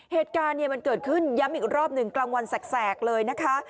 เหตุการณ์เนี่ยมันเกิดขึ้นย้ำอีกรอบหนึ่งกลางวันแสกเลยนะคะ